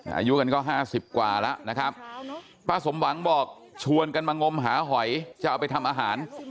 อายุกันก็ห้าสิบกว่าแล้วนะครับป้าสมหวังบอกชวนกันมางมหาหอยจะเอาไปทำอาหาร